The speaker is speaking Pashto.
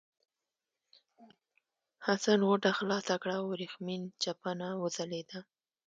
حسن غوټه خلاصه کړه او ورېښمین چپنه وځلېده.